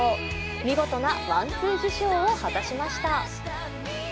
見事なワン・ツー受賞を果たしました。